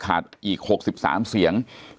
อีก๖๓เสียง